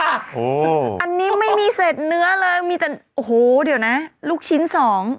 อันนี้ไม่มีเศษเนื้อเลยโอโหเดี่ยวนะลูกชิ้นสอง